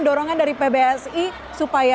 dorongan dari pbsi supaya